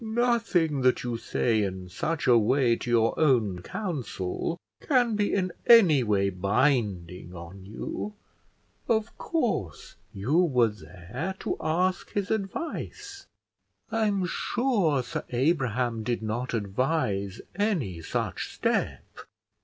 "Nothing that you say in such a way to your own counsel can be in any way binding on you; of course you were there to ask his advice. I'm sure Sir Abraham did not advise any such step."